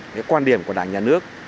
cái quan điểm của đảng nhà nước